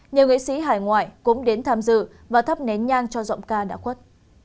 nhiều nghệ sĩ hải ngoại cũng đến tham dự và thắp nén nhang cho giọng ca đã khuất